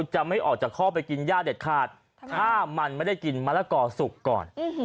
จะไม่ออกจากข้อไปกินย่าเด็ดขาดถ้ามันไม่ได้กินมะละกอสุกก่อน